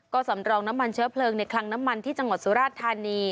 ก็สำรองน้ำมันเชื้อเพลิงในคลังน้ำมันที่จังหวัดสุราชธานี